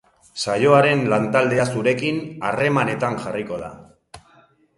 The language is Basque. Saioaren lantaldea zurekin harremanetan jarriko da.